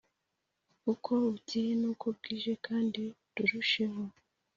Uko bukeye nuko bwije kandi rurusheho